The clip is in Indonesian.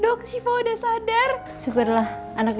aku mau pulang